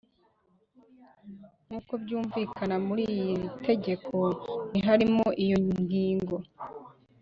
nkuko byumvikana muri iri tegeko ntiharimo iyo ngingo